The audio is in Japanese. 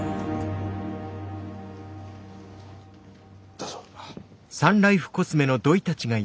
どうぞ。